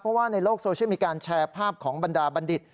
เพราะว่าในโลกโซเชียลมีการแชร์ภาพของบรรดาบัณฑิต